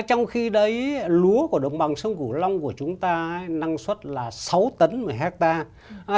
trong khi đấy lúa của đồng bằng sông củ long của chúng ta năng suất là sáu tấn một hectare